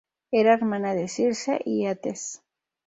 Era hermana de Circe y Eetes.